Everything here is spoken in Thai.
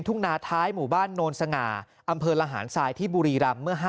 ทุ่งนาท้ายหมู่บ้านโนนสง่าอำเภอระหารทรายที่บุรีรำเมื่อ๕